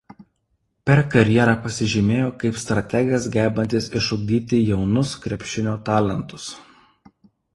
Per karjerą pasižymėjo kaip strategas gebantis išugdyti jaunus krepšinio talentus.